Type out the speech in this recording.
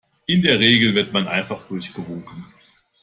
In der Regel wird man einfach durchgewunken.